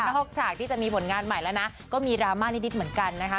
นอกจากที่จะมีผลงานใหม่แล้วนะก็มีดราม่านิดเหมือนกันนะคะ